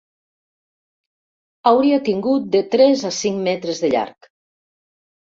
Hauria tingut de tres a cinc metres de llarg.